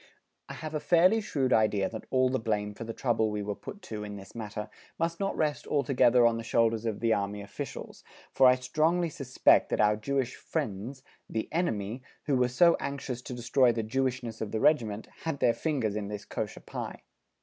I have a fairly shrewd idea that all the blame for the trouble we were put to in this matter must not rest altogether on the shoulders of the Army officials, for I strongly suspect that our Jewish "friends," the enemy, who were so anxious to destroy the Jewishness of the Regiment, had their fingers in this Kosher pie!